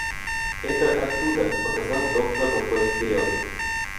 — Это оттуда, — показал доктор рукой вперед.